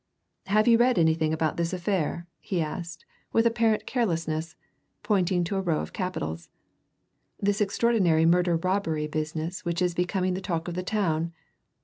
"Have you read anything about this affair?" he asked, with apparent carelessness, pointing to a row of capitals. "This extraordinary murder robbery business which is becoming the talk of the town?